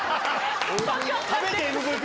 食べてＭＶＰ？